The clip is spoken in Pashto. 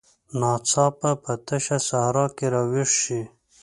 ناڅاپه په تشه صحرا کې راویښ شي.